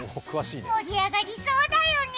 盛り上がりそうだよね！